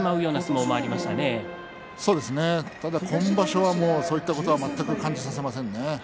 でも今場所はそういったことを全く感じさせませんね。